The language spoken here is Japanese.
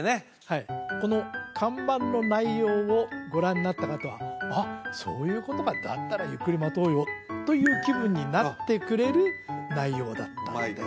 はいこの看板の内容をご覧になった方はあっそういうことかだったらゆっくり待とうよという気分になってくれる内容だったんですよ